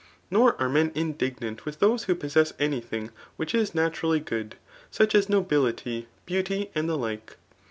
Nor are men indignant with those who possess any thing which is naturally good, such as noj^lity, beauty, and the like.